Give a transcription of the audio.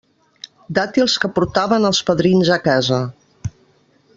Dàtils que portaven els padrins a casa.